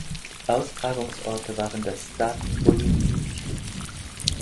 Austragungsorte waren das Stade Olympique.